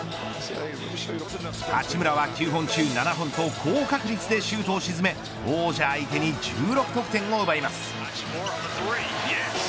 八村は９本中７本と高確率でシュートを沈め王者相手に１６得点を奪います。